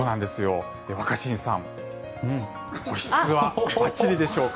若新さん保湿はばっちりでしょうか？